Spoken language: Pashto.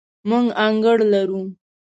موږ انګړ لرو